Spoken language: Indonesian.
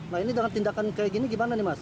nah ini dengan tindakan kayak gini gimana nih mas